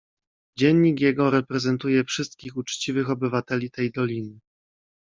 "Dziennik jego reprezentuje wszystkich uczciwych obywateli tej doliny."